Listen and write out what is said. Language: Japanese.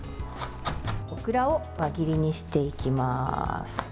オクラを輪切りにしていきます。